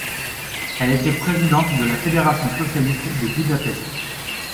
Elle était présidente de la fédération socialiste de Budapest.